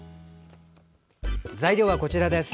材料はこちらです。